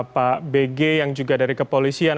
pak bg yang juga dari kepolisian